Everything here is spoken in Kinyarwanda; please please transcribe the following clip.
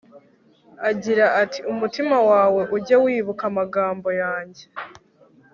agira ati umutima wawe ujye wibuka amagambo yanjye